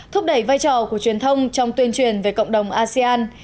thúc đẩy vai trò của truyền thông trong tuyên truyền về cộng đồng asean